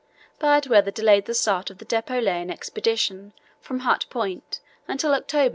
Bad weather delayed the start of the depot laying expedition from Hut Point until October 9.